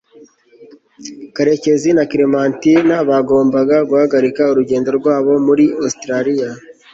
karekezi na keremantina bagombaga guhagarika urugendo rwabo muri ositaraliya